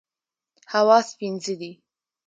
حواس پنځه دي.